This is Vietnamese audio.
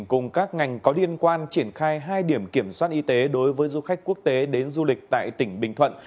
cùng các ngành có liên quan triển khai hai điểm kiểm soát y tế đối với du khách quốc tế đến du lịch tại tỉnh bình thuận